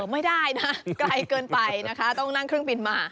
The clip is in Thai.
ไม่ได้นะไกลเกินไปนะคะต้องนั่งเครื่องบินมา